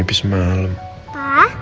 jadi gak berisik